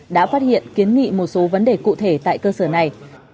đã phát hiện kiến nghị một số vấn đề cụ thể tại cơ sở này